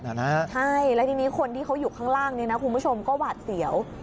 ใช่แล้วทีนี้คนที่เขาอยู่ข้างล่างนี้นะคุณผู้ชมก็หวาดเสียว